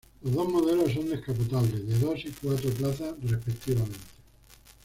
Los dos modelos son descapotables, de dos y cuatro plazas respectivamente.